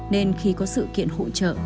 nên khi có sự kiện hỗ trợ